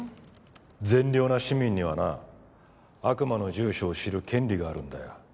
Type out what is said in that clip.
善良な市民にはな悪魔の住所を知る権利があるんだよ。